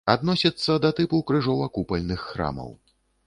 Адносіцца да тыпу крыжова-купальных храмаў.